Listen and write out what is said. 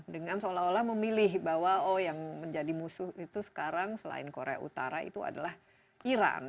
dengan seolah olah memilih bahwa oh yang menjadi musuh itu sekarang selain korea utara itu adalah iran